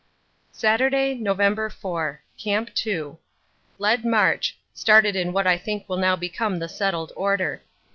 Saturday, November 4. Camp 2. Led march started in what I think will now become the settled order.